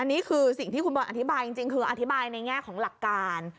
อันนี้คือสิ่งที่คุณบอลอธิบายจริงคืออธิบายในแง่ของหลักการ